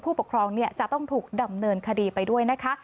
ปกครองจะต้องถูกดำเนินคดีไปด้วยนะคะ